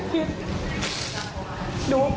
พี่ไม่ได้คิด